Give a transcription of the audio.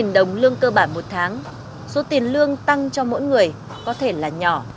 chín mươi đồng lương cơ bản một tháng số tiền lương tăng cho mỗi người có thể là nhỏ